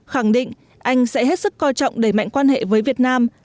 khẳng định anh sẽ hết sức coi trọng đẩy mạnh quan hệ với việt nam